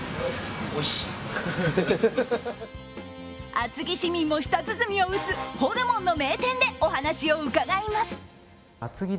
厚木市民も舌鼓を打つホルモンの名店でお話を伺います。